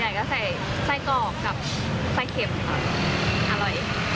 ไส้ส่วนใหญ่ก็ใส่ไส้กรอกกับไส้เข็มครับอร่อย